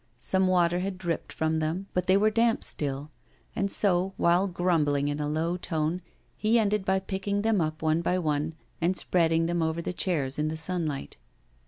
Some water had dripped from them, but they were damp still. And so, while grumbling in a low tone, he ended by picking them up one by one and spreading them over the chairs in the sunlight.